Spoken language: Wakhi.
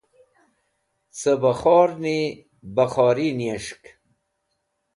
Cẽ bẽkhorni bẽkhori niyas̃hk.